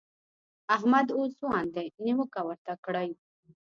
احمد اوس ځوان دی؛ نيوکه ورته کړئ.